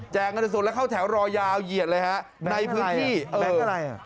แจกเงินสดแล้วเข้าแถวรอยาวเหยียดเลยฮะในพื้นที่